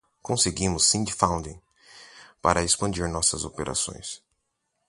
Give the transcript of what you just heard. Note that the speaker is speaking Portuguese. Conseguimos seed funding para expandir nossas operações.